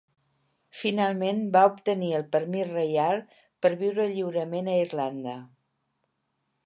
Finalment va obtenir el permís reial per viure lliurement a Irlanda.